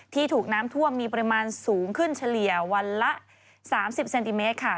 ถูกน้ำท่วมมีปริมาณสูงขึ้นเฉลี่ยวันละ๓๐เซนติเมตรค่ะ